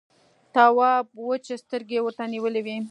تواب وچې سترګې ورته نيولې وې.